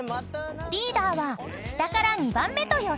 ［リーダーは下から２番目と予想］